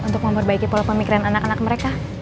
untuk memperbaiki pola pemikiran anak anak mereka